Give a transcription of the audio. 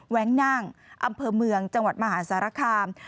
วงนั่งอำเภอเมืองจังหวัดมหาสารคาม